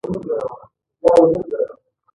ځمکه نرۍ نرۍ دربېدله.